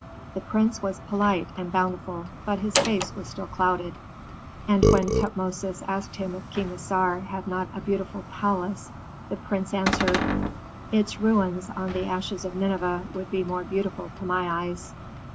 The prince was polite and bountiful, but his face was still clouded. And when Tutmosis asked him if King Assar had not a beautiful palace, the prince answered, . "Its ruins on the ashes of Nineveh would be more beautiful to my eyes."